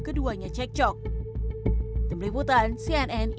keduanya cekcok temblip hutan cnn indonesia